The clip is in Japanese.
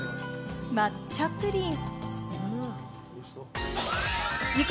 抹茶プリン！